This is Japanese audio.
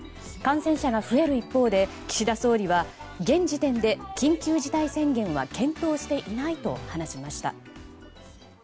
感染者が増える一方で岸田総理は現時点で緊急事態宣言は検討していないと話しました。